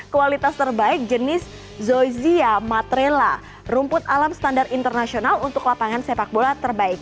kualitas terbaik jenis zozia matrela rumput alam standar internasional untuk lapangan sepak bola terbaik